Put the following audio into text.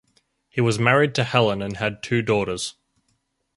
He was married to Helen and had two daughters.